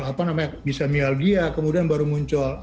kemudian muncul baru muncul bisa myalgia kemudian baru muncul